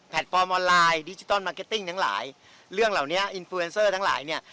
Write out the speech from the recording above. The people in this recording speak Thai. แพลตฟอร์มออนไลน์ดิจิทัลมาร์เก็ตติ้งทั้งหลายเรื่องเหล่านี้ทั้งหลายเนี้ย